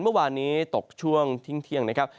เมื่อวานนี้ตกช่วงทิ้งเที่ยงนะครับ